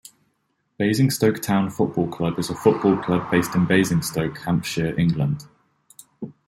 Basingstoke Town Football Club is a football club based in Basingstoke, Hampshire, England.